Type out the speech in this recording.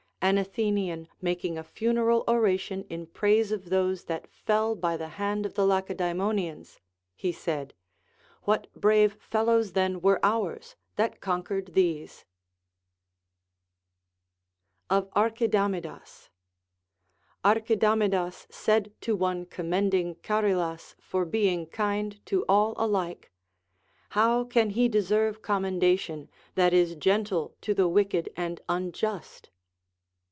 An Athenian making a funeral oration in praise of those that fell by the hand of the Lacedaemonians, he said. What brave fellows then were ours, that conquered these ! Of Archidamidas. Archidamidas said to one commending Charilas for being kind to all alike, How can he deserve commenda 404 LACONIC APOPHTHEGMS tion, that is gentle to the wicked and unjust?